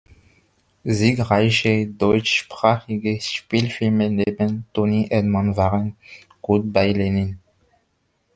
Siegreiche deutschsprachige Spielfilme neben "Toni Erdmann" waren "Good Bye, Lenin!